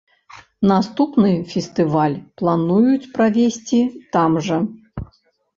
Наступны фестываль плануюць правесці там жа.